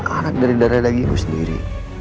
anak dari darah dagingku sendiri